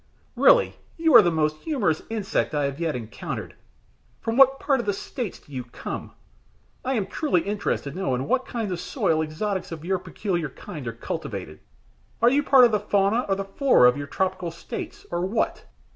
Really you are the most humorous insect I have yet encountered. From what part of the States do you come? I am truly interested to know in what kind of soil exotics of your peculiar kind are cultivated. Are you part of the fauna or the flora of your tropical States or what?"